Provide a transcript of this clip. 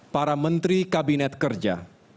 para menteri kabinet kerja